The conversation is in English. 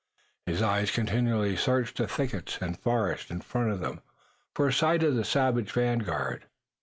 His eyes continually searched the thickets and forest in front of them for a sight of the savage vanguard.